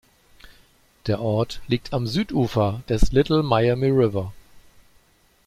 Der Ort liegt am Südufer des Little Miami River.